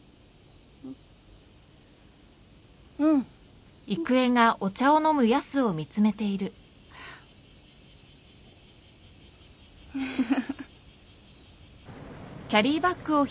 うん。フフフ。